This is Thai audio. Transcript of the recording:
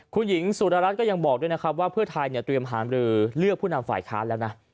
คุณหญิงสุรรัฐก็ยังบอกด้วยนะครับว่าเพื่อไทยเตรียมหามรือเลือกผู้นำฝ่ายค้านแล้วนะ